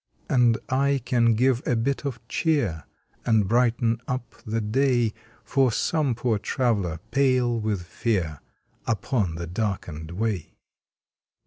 And I can give a bit of CHEER, And brighten up the day For some poor traveler p ,le with fear Upon the darkened way.